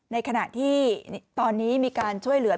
ในขณะที่ตอนนี้มีการช่วยเหลือ